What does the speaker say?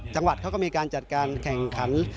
จังหวัดเขาก็มีการจัดการแข่งขัน